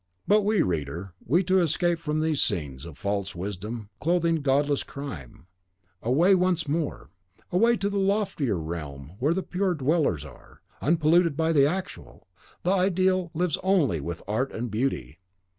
But we, reader, we too escape from these scenes of false wisdom clothing godless crime. Away, once more "In den heitern Regionen Wo die reinen Formen wohnen." Away, to the loftier realm where the pure dwellers are. Unpolluted by the Actual, the Ideal lives only with Art and Beauty.